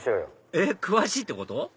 えっ詳しいってこと？